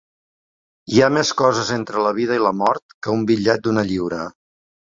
Hi ha més coses entre la vida i la mort que un bitllet d'una lliura.